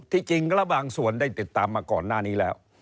จริงแล้วบางส่วนได้ติดตามมาก่อนหน้านี้แล้ว